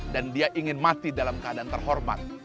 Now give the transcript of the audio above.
dan dia ingin mati dalam keadaan terhormat